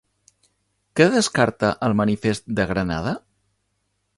Què descarta el manifest de Granada?